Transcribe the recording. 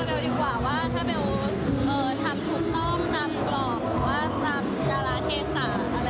หรือว่าตามการาเทศศาสตร์อะไรอย่างนี้ค่ะ